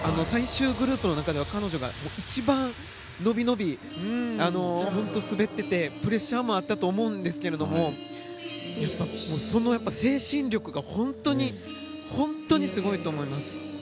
最終グループの中では彼女が一番伸び伸びと滑ってて、プレッシャーもあったと思うんですけどその精神力が本当に本当にすごいと思います。